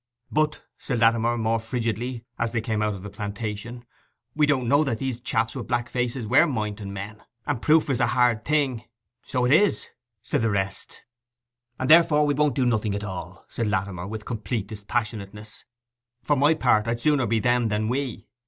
'But,' said Latimer, more frigidly, as they came out of the plantation, 'we don't know that these chaps with black faces were Moynton men? And proof is a hard thing.' 'So it is,' said the rest. 'And therefore we won't do nothing at all,' said Latimer, with complete dispassionateness. 'For my part, I'd sooner be them than we.